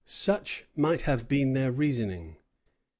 Such might have been their reasoning.